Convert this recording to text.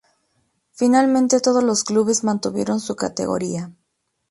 Finalmente todos los clubes mantuvieron su categoría.